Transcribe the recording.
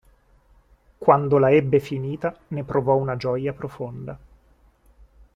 Quando la ebbe finita ne provò una gioia profonda.